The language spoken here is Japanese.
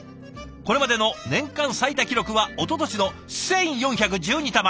これまでの年間最多記録はおととしの１，４１２玉。